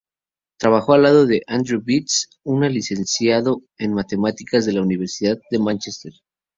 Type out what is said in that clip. Trabajó al lado Audrey Bates, una licenciado en matemáticas de la Universidad de Mánchester.